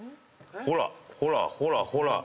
ほらっほらほらほらっ。